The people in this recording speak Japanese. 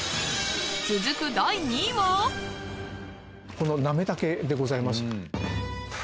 このなめ茸でございます。